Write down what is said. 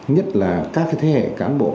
nhất là các thế hệ cán bộ